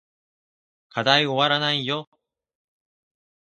課題おわらないよ